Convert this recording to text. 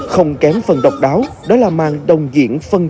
không kém phần độc đáo đó là mang đồng diễn phân trình